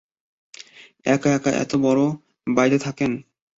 এক-একা এত বড় বাড়িতে থাকেন।